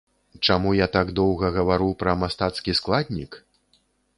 Чаму я так доўга гавару пра мастацкі складнік?